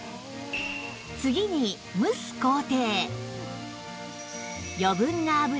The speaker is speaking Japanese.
次に蒸す工程